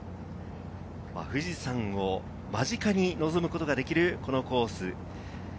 富士山を間近に望むことができるこのコース。